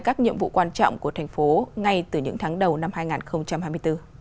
các nhiệm vụ quan trọng của thành phố ngay từ những tháng đầu năm hai nghìn hai mươi bốn